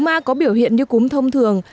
cúm a có biểu hiện như cúm thông thường